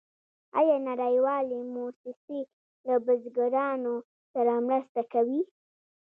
آیا نړیوالې موسسې له بزګرانو سره مرسته کوي؟